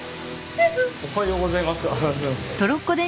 おはようございます。